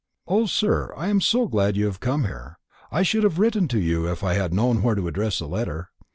"O, sir, I am so glad you have come here; I should have written to you if I had known where to address a letter.